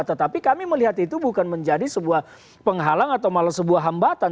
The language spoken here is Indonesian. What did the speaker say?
tetapi kami melihat itu bukan menjadi sebuah penghalang atau malah sebuah hambatan